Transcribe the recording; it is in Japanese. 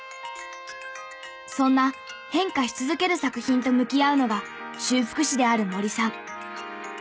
そんな変化し続ける作品と向き合うのが修復士である森さん。